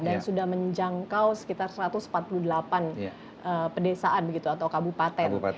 dan sudah menjangkau sekitar satu ratus empat puluh delapan pedesaan atau kabupaten